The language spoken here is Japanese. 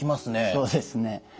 そうですね。